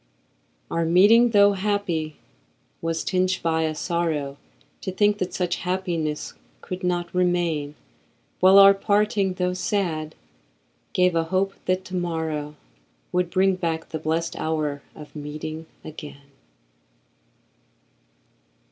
Our meeting, tho' happy, was tinged by a sorrow To think that such happiness could not remain; While our parting, tho' sad, gave a hope that to morrow Would bring back the blest hour of meeting again.